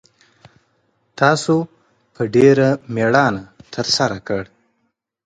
تاسو په ډېره میړانه ترسره کړ